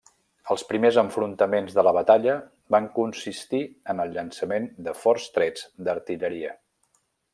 Els primers enfrontaments de la batalla van consistir en el llançament de forts trets d'artilleria.